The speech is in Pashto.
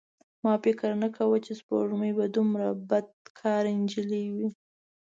ما فکر نه کاوه چې سپوږمۍ به دومره بدکاره نجلۍ وي.